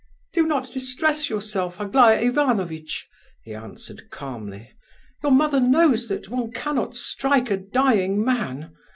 "Do not distress yourself, Aglaya Ivanovitch," he answered calmly; "your mother knows that one cannot strike a dying man.